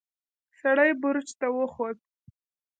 سړی برج ته وخوت.